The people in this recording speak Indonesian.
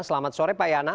selamat sore pak yana